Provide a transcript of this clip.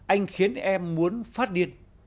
anh khiến em muốn phát điên